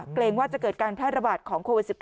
เกรงว่าจะเกิดการแพร่ระบาดของโควิด๑๙